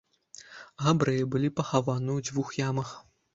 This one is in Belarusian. Габрэі былі пахаваны ў дзвюх ямах.